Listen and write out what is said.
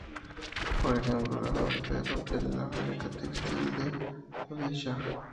Por ejemplo, la fábrica de papel y la fábrica textil de Odisha.